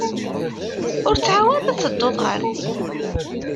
Ur ttɛawad ad tedduḍ ɣer din.